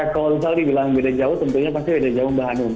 kalau misalnya dibilang beda jauh tentunya pasti beda jauh mbak hanum